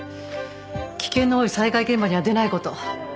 危険の多い災害現場には出ないこと。